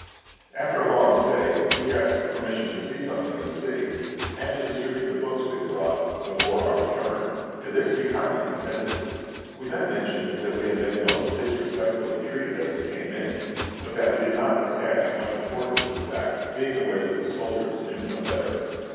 After a long stay, we asked permission to see something of the city, and to distribute the books we had brought, before our return. To this he kindly consented. We then mentioned that we had been most disrespectfully treated as we came in, but that we did not attach much importance to the fact, being aware that the soldiers knew no better.